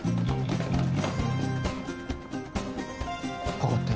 ここって。